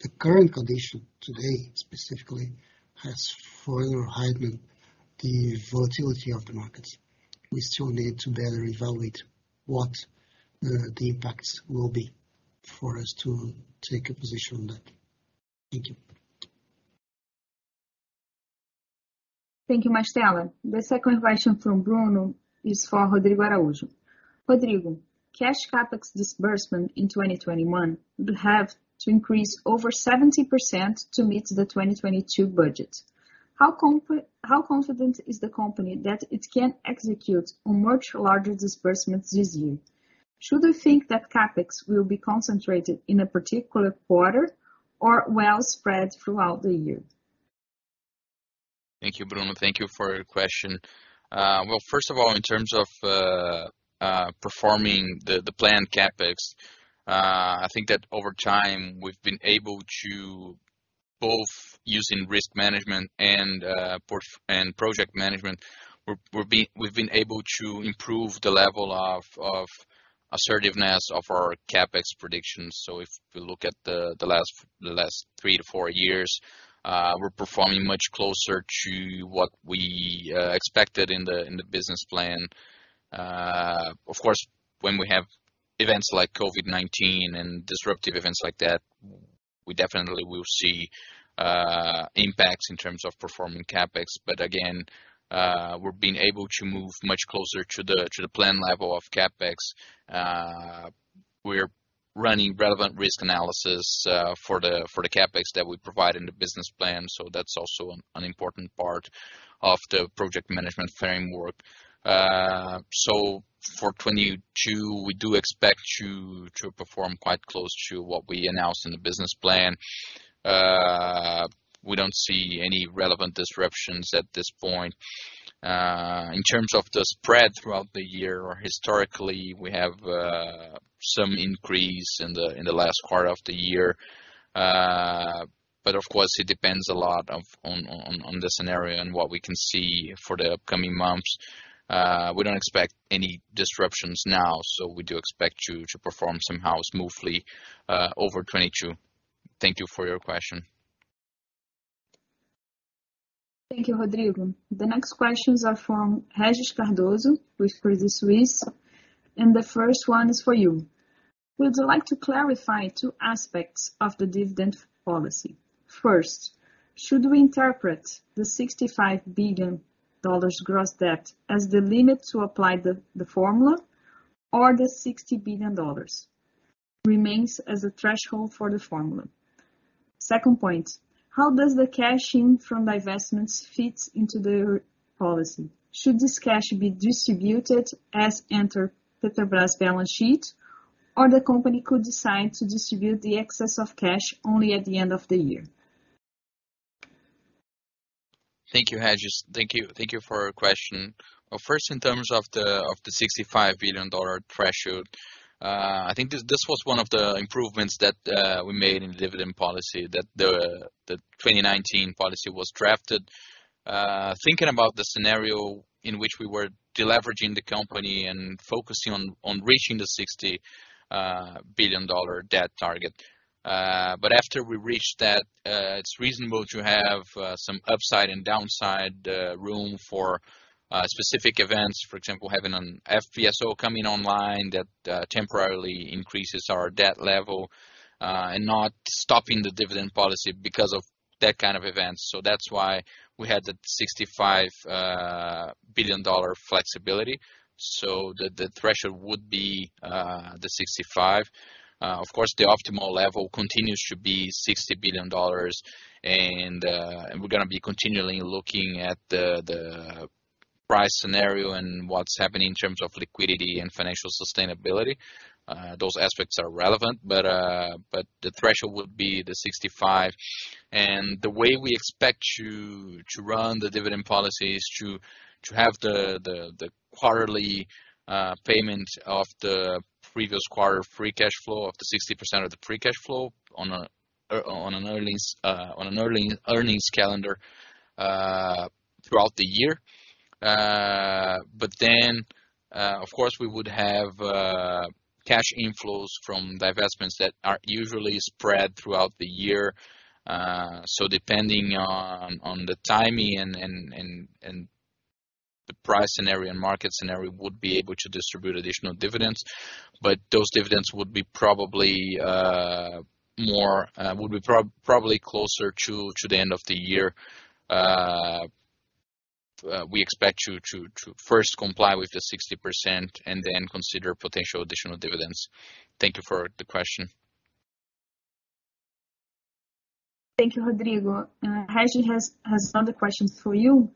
The current condition today specifically has further heightened the volatility of the markets. We still need to better evaluate what the impacts will be for us to take a position on that. Thank you. Thank you, Mastella. The second question from Bruno is for Rodrigo Araujo. Rodrigo, cash CapEx disbursement in 2021 would have to increase over 70% to meet the 2022 budget. How confident is the company that it can execute on much larger disbursements this year? Should we think that CapEx will be concentrated in a particular quarter or well spread throughout the year? Thank you, Bruno. Thank you for your question. Well, first of all, in terms of performing the planned CapEx, I think that over time, we've been able to both using risk management and project management, we've been able to improve the level of assertiveness of our CapEx predictions. If we look at the last three to four years, we're performing much closer to what we expected in the business plan. Of course, when we have events like COVID-19 and disruptive events like that, we definitely will see impacts in terms of performing CapEx. Again, we're being able to move much closer to the plan level of CapEx. We're running relevant risk analysis for the CapEx that we provide in the business plan. That's also an important part of the project management framework. For 2022, we do expect to perform quite close to what we announced in the business plan. We don't see any relevant disruptions at this point. In terms of the spread throughout the year or historically, we have some increase in the last quarter of the year. Of course it depends a lot on the scenario and what we can see for the upcoming months. We don't expect any disruptions now. We do expect to perform somehow smoothly over 2022. Thank you for your question. Thank you, Rodrigo. The next questions are from Regis Cardoso with Credit Suisse, and the first one is for you. We'd like to clarify two aspects of the dividend policy. First, should we interpret the $65 billion gross debt as the limit to apply the formula or the $60 billion remains as a threshold for the formula? Second point, how does the cash in from divestments fit into the policy? Should this cash be distributed as it enters Petrobras balance sheet, or the company could decide to distribute the excess of cash only at the end of the year? Thank you, Regis, for your question. First, in terms of the $65 billion threshold, I think this was one of the improvements that we made in the dividend policy that the 2019 policy was drafted, thinking about the scenario in which we were deleveraging the company and focusing on reaching the $60 billion debt target. After we reached that, it's reasonable to have some upside and downside room for specific events. For example, having an FPSO coming online that temporarily increases our debt level and not stopping the dividend policy because of that kind of event. That's why we had the $65 billion flexibility. The threshold would be the $65 billion. Of course, the optimal level continues to be $60 billion. We're gonna be continually looking at the price scenario and what's happening in terms of liquidity and financial sustainability. Those aspects are relevant, but the threshold would be the $65 billion. The way we expect to run the dividend policy is to have the quarterly payment of the previous quarter free cash flow of the 60% of the free cash flow on an earnings calendar throughout the year. Of course, we would have cash inflows from divestments that are usually spread throughout the year. Depending on the timing and the price scenario and market scenario, would be able to distribute additional dividends. Those dividends would be probably closer to the end of the year. We expect to first comply with the 60% and then consider potential additional dividends. Thank you for the question. Thank you, Rodrigo. Regis has another question for you.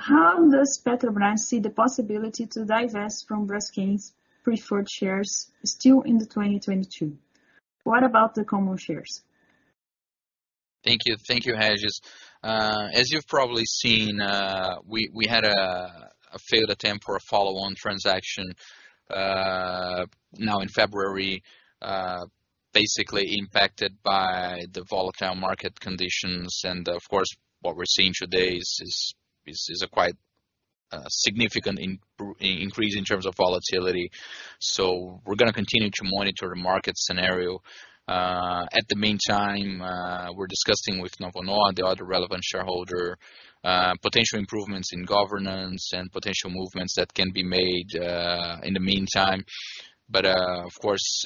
How does Petrobras see the possibility to divest from Braskem's preferred shares still in 2022? What about the common shares? Thank you. Thank you, Regis. As you've probably seen, we had a failed attempt for a follow-on transaction now in February, basically impacted by the volatile market conditions. Of course, what we're seeing today is a quite significant increase in terms of volatility. We're gonna continue to monitor the market scenario. In the meantime, we're discussing with Novonor, the other relevant shareholder, potential improvements in governance and potential movements that can be made in the meantime. Of course,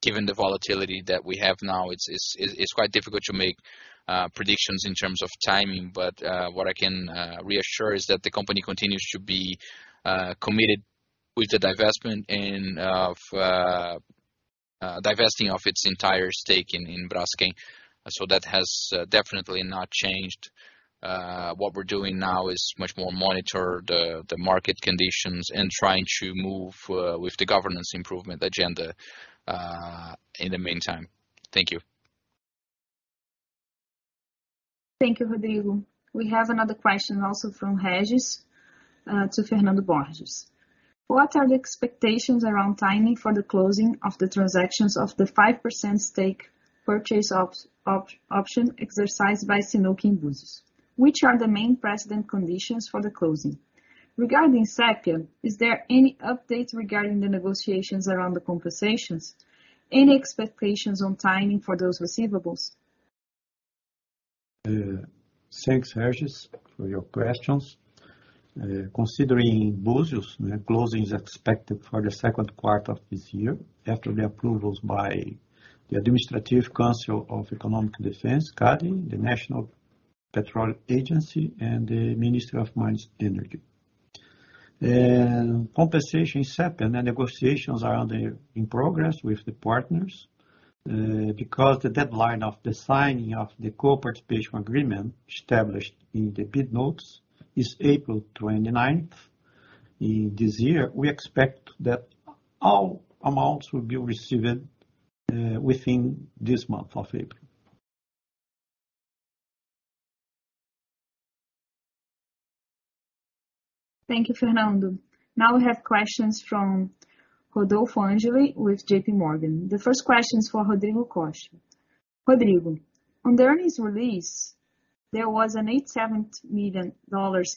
given the volatility that we have now, it's quite difficult to make predictions in terms of timing. What I can reassure is that the company continues to be committed to the divestment and divesting of its entire stake in Braskem. That has definitely not changed. What we're doing now is much more to monitor the market conditions and trying to move with the governance improvement agenda in the meantime. Thank you. Thank you, Rodrigo. We have another question also from Regis to Fernando Borges. What are the expectations around timing for the closing of the transactions of the 5% stake purchase option exercised by CNOOC Búzios? Which are the main precedent conditions for the closing? Regarding Sépia, is there any update regarding the negotiations around the compensations? Any expectations on timing for those receivables? Thanks, Regis, for your questions. Considering Búzios, the closing is expected for the second quarter of this year after the approvals by the Administrative Council of Economic Defense, CADE, the National Petroleum Agency, and the Ministry of Mines and Energy. Compensation SEPE, the negotiations are in progress with the partners. Because the deadline of the signing of the co-participation agreement established in the bid notes is April twenty-ninth in this year, we expect that all amounts will be received within this month of April. Thank you, Fernando. Now we have questions from Rodolfo Angeli with JPMorgan. The first question is for Rodrigo Costa. Rodrigo, on the earnings release, there was an $87 million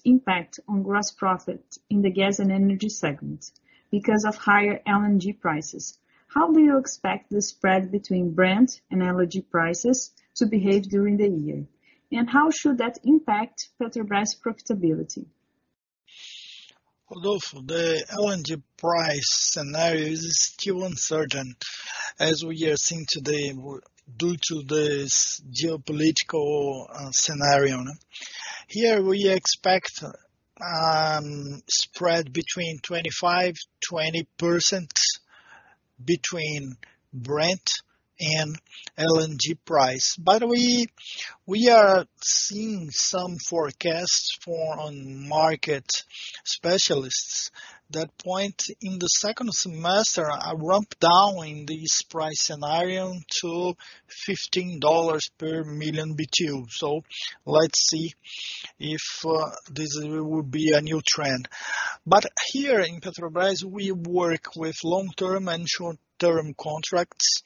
impact on gross profit in the gas and energy segment because of higher LNG prices. How do you expect the spread between Brent and LNG prices to behave during the year? And how should that impact Petrobras' profitability? Rodolfo, the LNG price scenario is still uncertain, as we are seeing today due to this geopolitical scenario, no? Here we expect a spread between 25%-20% between Brent and LNG price. We are seeing some forecasts from market specialists that point in the second semester a ramp down in this price scenario to $15 per million BTU. Let's see if this will be a new trend. Here in Petrobras, we work with long-term and short-term contracts.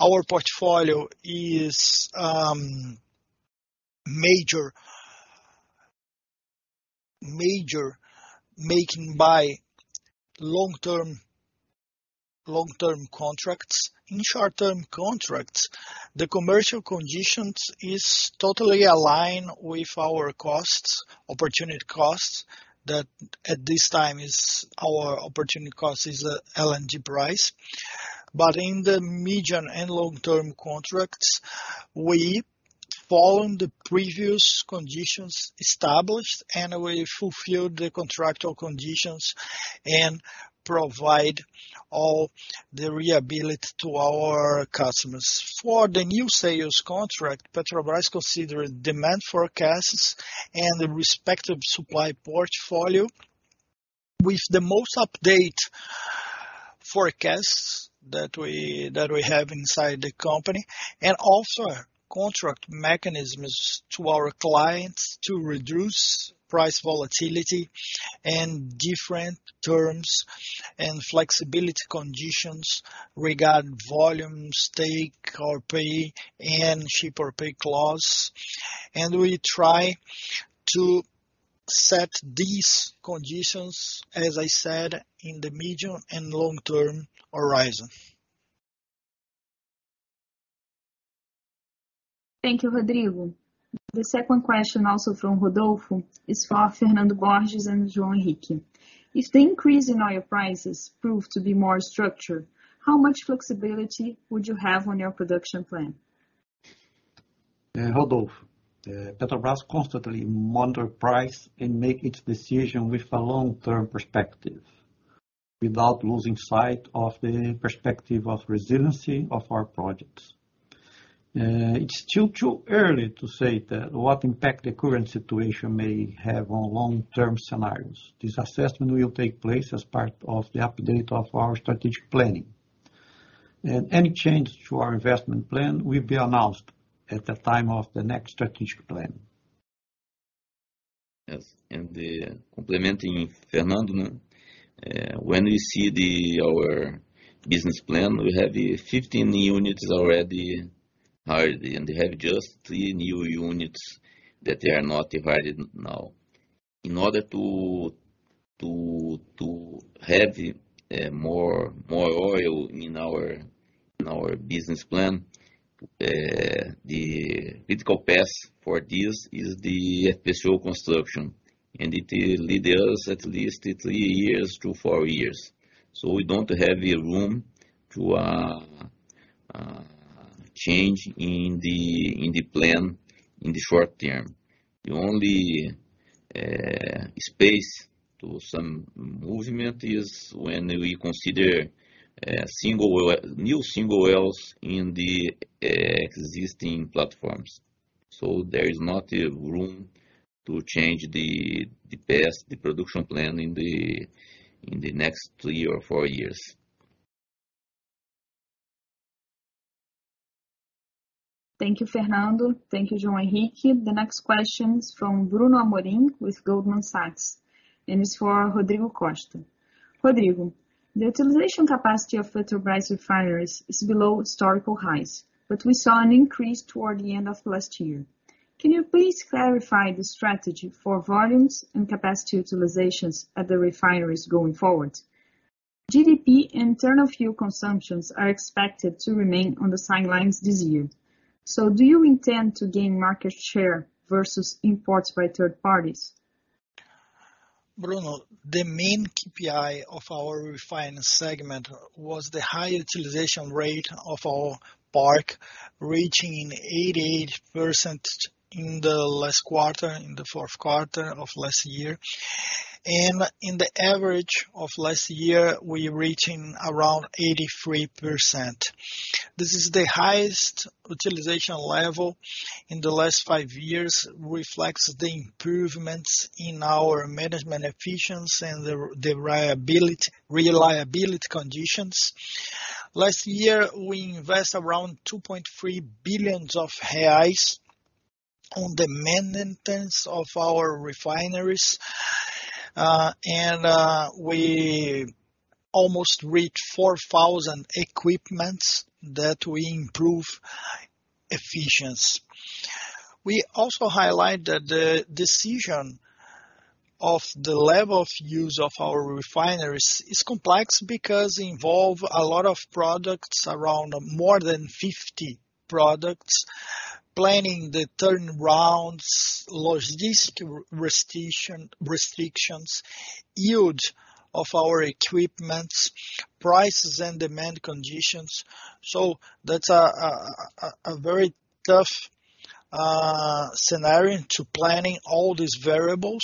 Our portfolio is majority made by long-term contracts. In short-term contracts, the commercial conditions is totally aligned with our costs, opportunity costs, that at this time is our opportunity cost is the LNG price. In the medium- and long-term contracts, we follow the previous conditions established, and we fulfill the contractual conditions and provide all the reliability to our customers. For the new sales contract, Petrobras consider demand forecasts and the respective supply portfolio with the most update forecasts that we have inside the company, and also contract mechanisms to our clients to reduce price volatility and different terms and flexibility conditions regarding volume take-or-pay and ship-or-pay clause. We try to set these conditions, as I said, in the medium and long-term horizon. Thank you, Rodrigo. The second question, also from Rodolfo, is for Fernando Borges and João Henrique. If the increase in oil prices prove to be more structured, how much flexibility would you have on your production plan? Rodolfo, Petrobras constantly monitor price and make its decision with a long-term perspective without losing sight of the perspective of resiliency of our projects. It's still too early to say what impact the current situation may have on long-term scenarios. This assessment will take place as part of the update of our strategic planning. Any changes to our investment plan will be announced at the time of the next strategic plan. Yes. Complementing Fernando, when we see our business plan, we have 15 units already hired, and we have just three new units that they are not hired now. In order to have more oil in our business plan, the critical path for this is the FPSO construction, and it lead us at least three years to four years. We don't have room to change in the plan in the short term. The only space to some movement is when we consider single well new single wells in the existing platforms. There is not room to change the path, the production plan in the next three or four years. Thank you, Fernando. Thank you, João Henrique. The next question is from Bruno Amorim with Goldman Sachs, and it's for Rodrigo Costa. Rodrigo, the utilization capacity of Petrobras refineries is below historical highs, but we saw an increase toward the end of last year. Can you please clarify the strategy for volumes and capacity utilizations at the refineries going forward? GDP and internal fuel consumptions are expected to remain on the sidelines this year. Do you intend to gain market share versus imports by third parties? Bruno, the main KPI of our refinery segment was the high utilization rate of our park, reaching 88% in the last quarter, in the fourth quarter of last year. In the average of last year, we're reaching around 83%. This is the highest utilization level in the last five years, reflects the improvements in our management efficiency and the reliability conditions. Last year, we invest around 2.3 billion reais on the maintenance of our refineries, and we almost reached 4,000 equipments that we improve efficiency. We also highlight that the decision of the level of use of our refineries is complex because involve a lot of products, around more than 50 products, planning the turnarounds, logistic restrictions, yield of our equipments, prices and demand conditions. That's a very tough scenario to planning all these variables.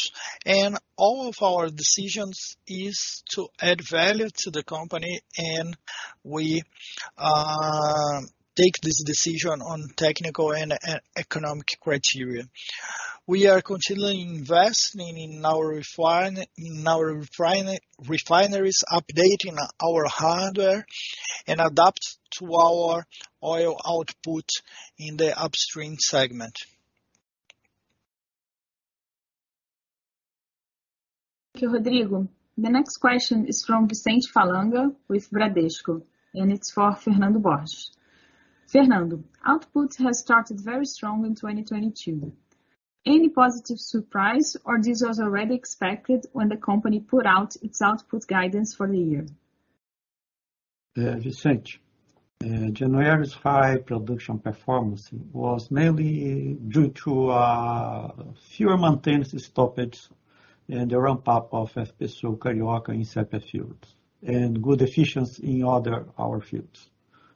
All of our decisions is to add value to the company, and we take this decision on technical and economic criteria. We are continually investing in our refineries, updating our hardware, and adapt to our oil output in the upstream segment. Thank you, Rodrigo. The next question is from Vicente Falanga with Bradesco, and it's for Fernando Borges. Fernando, output has started very strong in 2022. Any positive surprise or this was already expected when the company put out its output guidance for the year? Vicente, January's high production performance was mainly due to fewer maintenance stoppages and the ramp up of FPSO Carioca in Sépia fields and good efficiency in our other fields.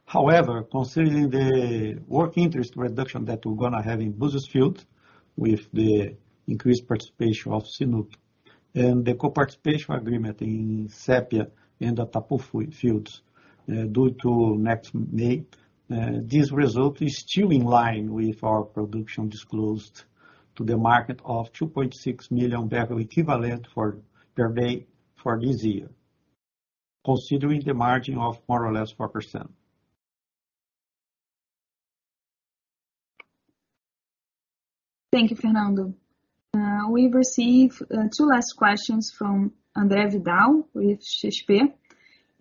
However, considering the working interest reduction that we're gonna have in Búzios field with the increased participation of CNOOC and the co-participation agreement in Sépia and Atapu fields, due to next May, this result is still in line with our production disclosed to the market of 2.6 million barrels equivalent per day for this year, considering the margin of more or less 4%. Thank you, Fernando. We've received two last questions from Andre Vidal with XP,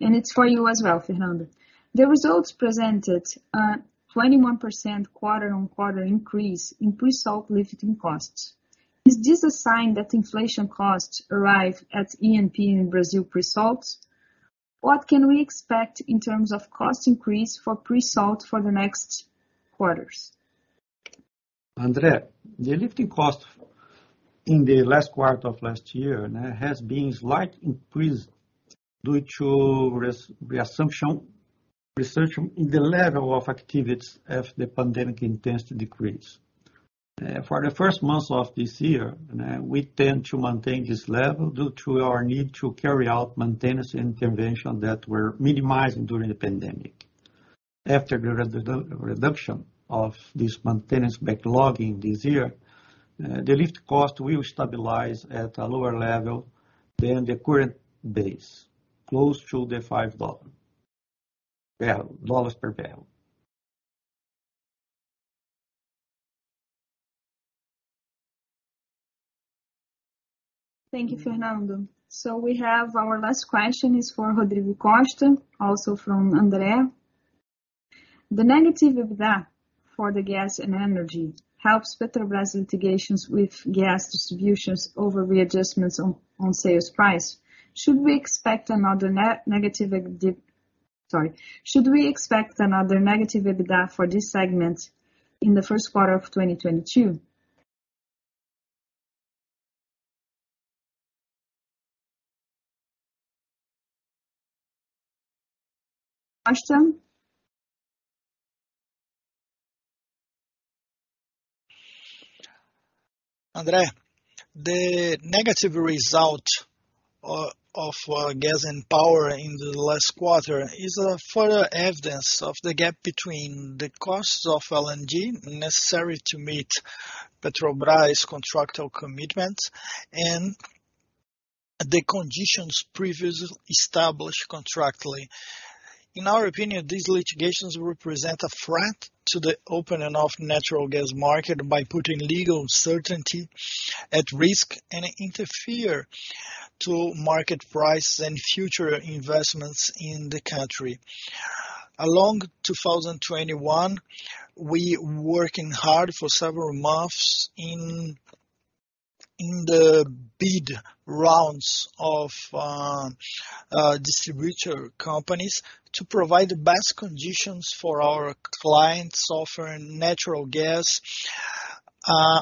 and it's for you as well, Fernando. The results presented a 21% quarter-on-quarter increase in pre-salt lifting costs. Is this a sign that inflation costs arrive at E&P in Brazil pre-salts? What can we expect in terms of cost increase for pre-salt for the next quarters? Andre, the lifting cost in the last quarter of last year has been slight increase due to resumption in the level of activities as the pandemic intensity decrease. For the first months of this year, we tend to maintain this level due to our need to carry out maintenance intervention that were minimized during the pandemic. After the reduction of this maintenance backlog in this year, the lifting cost will stabilize at a lower level than the current base, close to the $5 per barrel. Thank you, Fernando. We have our last question is for Rodrigo Costa, also from André Vidal. The negative EBITDA for the gas and energy helps Petrobras litigations with gas distributors over readjustments on sales price. Should we expect another negative EBITDA for this segment in the first quarter of 2022? Costa? André, the negative result of gas and power in the last quarter is a further evidence of the gap between the costs of LNG necessary to meet Petrobras' contractual commitments and the conditions previously established contractually. In our opinion, these litigations represent a threat to the open and free natural gas market by putting legal certainty at risk and interfere with market prices and future investments in the country. In 2021, we working hard for several months in the bid rounds of distributor companies to provide the best conditions for our clients offering natural gas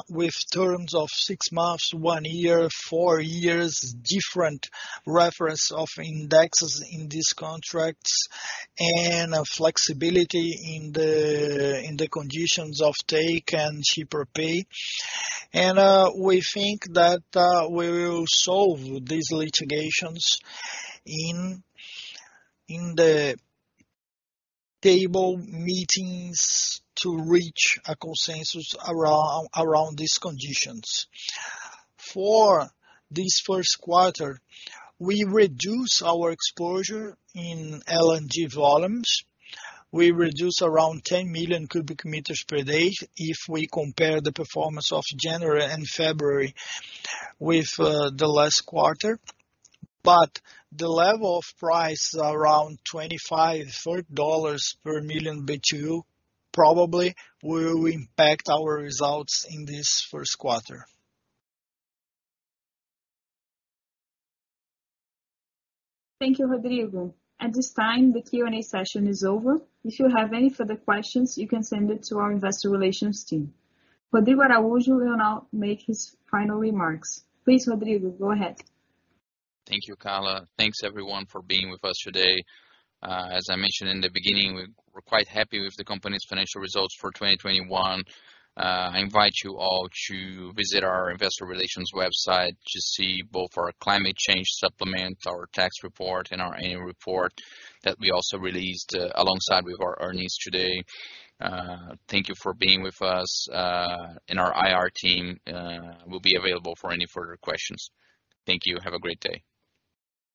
with terms of six months, one year, four years, different reference indexes in these contracts and a flexibility in the conditions of take-or-pay and ship-or-pay. We think that we will solve these litigations in the table meetings to reach a consensus around these conditions. For this first quarter, we reduce our exposure in LNG volumes. We reduce around 10 million cubic meters per day if we compare the performance of January and February with the last quarter. The level of price around $25-$30 per million BTU probably will impact our results in this first quarter. Thank you, Rodrigo. At this time, the Q&A session is over. If you have any further questions, you can send it to our investor relations team. Rodrigo Araujo will now make his final remarks. Please, Rodrigo, go ahead. Thank you, Carla. Thanks everyone for being with us today. As I mentioned in the beginning, we're quite happy with the company's financial results for 2021. I invite you all to visit our investor relations website to see both our climate change supplement, our tax report, and our annual report that we also released, alongside with our earnings today. Thank you for being with us, and our IR team will be available for any further questions. Thank you. Have a great day.